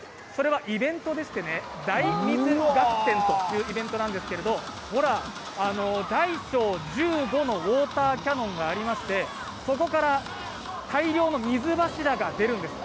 それは大水合戦というイベントなんですけど、大小１５のウオーターキャノンがありまして、そこから大量の水柱が出るんです。